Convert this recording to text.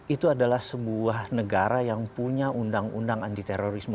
itu adalah sebuah negara yang punya undang undang anti terorisme